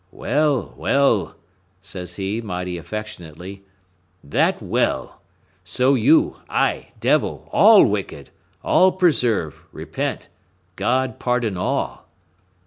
"Well, well," says he, mighty affectionately, "that well—so you, I, devil, all wicked, all preserve, repent, God pardon all."